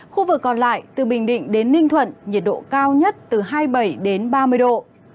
khu vực còn lại từ bình định đến ninh thuận nhiệt độ cao nhất từ hai mươi bảy đến ba mươi độ